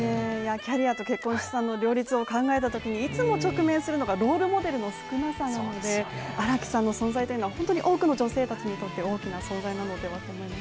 キャリアと結婚・出産の両立を考えたときにいつも直面するのがロールモデルの少なさなので荒木さんの存在は本当に多くの女性たちにとって、大きな存在なのではと思います。